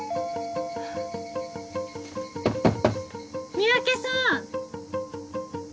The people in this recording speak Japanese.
三宅さん！